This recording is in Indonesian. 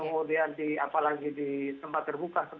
kemudian di apa lagi di tempat terbuka